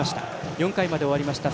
４回まで終わりました